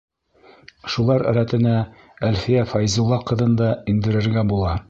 Шулар рәтенә Әлфиә Фәйзулла ҡыҙын да индерергә була.